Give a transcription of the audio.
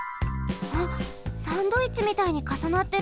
あっサンドイッチみたいにかさなってる。